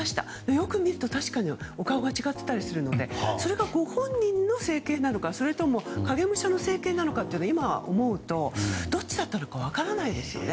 よく見ると確かにお顔が違っていたりするのでそれがご本人の整形なのか影武者の整形なのか今思うとどっちだったのか分からないですね。